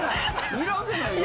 にらんでないよ！